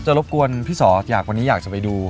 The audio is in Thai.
จะรบกวนพี่สอบอยากวันนี้จะไปดู